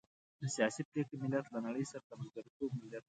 د سياسي پرېکړې ملت، له نړۍ سره د ملګرتوب ملت.